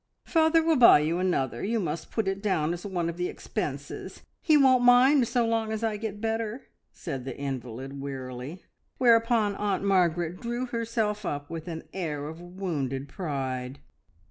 "Father will buy you another. You must put it down as one of the expenses. He won't mind so long as I get better," said the invalid wearily; whereupon Aunt Margaret drew herself up with an air of wounded pride.